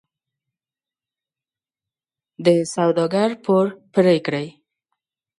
د سوداګر پور پرې کړي.